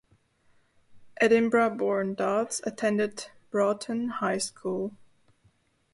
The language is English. Edinburgh-born Dods attended Broughton High School.